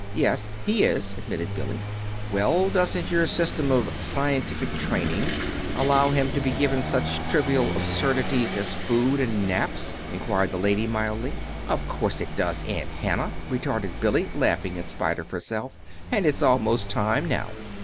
"Yes, he is," admitted Billy. "Well, doesn't your system of scientific training allow him to be given such trivial absurdities as food and naps?" inquired the lady, mildly. "Of course it does, Aunt Hannah," retorted Billy, laughing in spite of herself. "And it's almost time now.